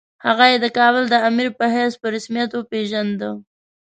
هغه یې د کابل د امیر په حیث په رسمیت وپېژانده.